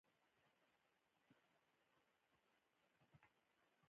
د کابل بازان مشهور دي